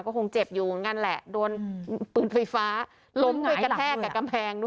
ก็คงเจ็บอยู่เหมือนกันแหละโดนปืนไฟฟ้าล้มไปกระแทกกับกำแพงด้วย